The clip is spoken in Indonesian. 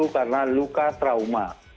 satu karena luka trauma